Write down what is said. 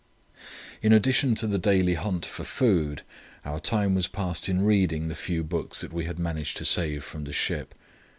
In addition to the daily hunt for food, our time was passed in reading the few books that we had managed to save from the ship.